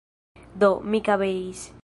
Do, mi kabeis.